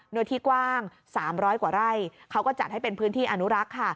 เนื้อที่กว้าง๓๐๐กว่าไร่เขาก็จัดให้เป็นพื้นที่อนุรักษ์ค่ะ